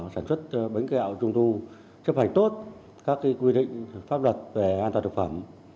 sản xuất bánh kẹo trung thu chấp hành tốt các quy định pháp luật về an toàn thực phẩm